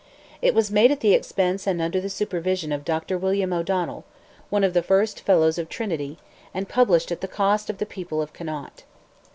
It was made at the expense and under the supervision of Dr. William O'Donnell, one of the first fellows of Trinity, and published at the cost of the people of Connaught.